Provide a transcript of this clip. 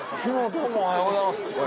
どうもおはようございます。